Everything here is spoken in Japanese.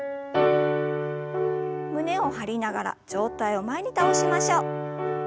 胸を張りながら上体を前に倒しましょう。